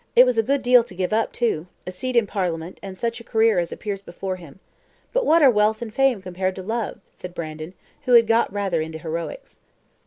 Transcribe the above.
It was a good deal to give up, too a seat in parliament, and such a career as appears before him. But what are wealth and fame compared to love?" said Brandon, who had got rather into heroics.